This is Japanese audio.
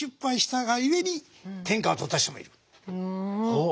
ほう。